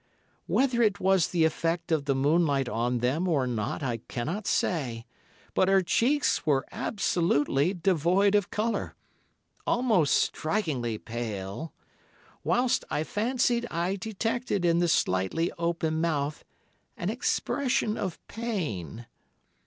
Whether it was the effect of the moonlight on them or not, I cannot say, but her cheeks were absolutely devoid of colour, almost strikingly pale, whilst I fancied I detected in the slightly open mouth an expression of pain.